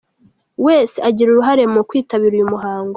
wese agire uruhare mu kwitabira uyu muhango.